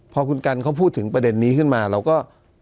พอคุณกันเขาพูดถึงประเด็นนี้ขึ้นมาเราก็